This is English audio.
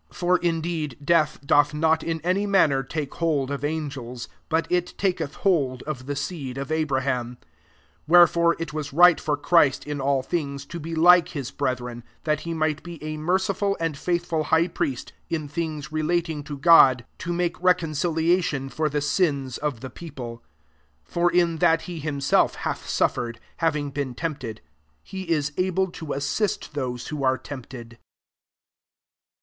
16 For indeed death .doth not in any manner take hold of an gels ; but it taketh hold of the seed of Abraham. 17 Where fore it was right for Christ in all things to be like his breth ren ; that he might be a mer ciful and faithful high priest in things relating to God, to make reconciliation for the sins of the peoplct 18 For in that Ije himself hath suffered, having been tempted, he is able to as sist those who are tempted.